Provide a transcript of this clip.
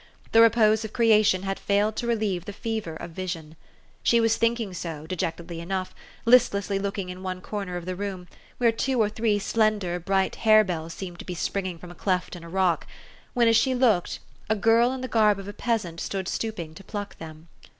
The repose of creation had failed to relieve the fever of vision. She was thinking so, dejectedly enough, listlessly look ing in one corner of the roomj where two or three slender, bright harebells seemed to be spring ing from a cleft in a rock, when, as she looked, a girl in the garb of a peasant stood stoop ing to pluck them.